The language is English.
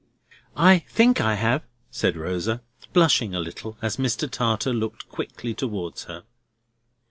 "I think I have," said Rosa, blushing a little as Mr. Tartar looked quickly towards her.